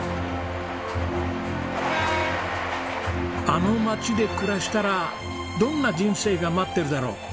あの町で暮らしたらどんな人生が待ってるだろう？